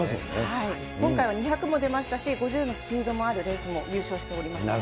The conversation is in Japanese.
今回は２００も出ましたし、５０のスピードのあるレースも優勝しておりました。